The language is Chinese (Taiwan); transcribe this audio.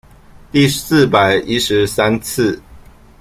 第四百一十三次